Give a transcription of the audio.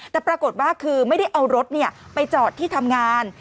แต่ปรากฏว่าคือไม่ได้เอารถไปจอดที่ทำงาน